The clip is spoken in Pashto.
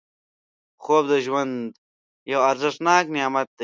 خوب د ژوند یو ارزښتناک نعمت دی